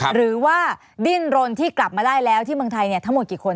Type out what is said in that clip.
หรือว่าดิ้นรนที่กลับมาได้แล้วที่เมืองไทยทั้งหมดกี่คน